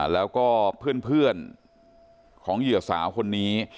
แล้วก็เพื่อนของเหยื่อสาวคนนี้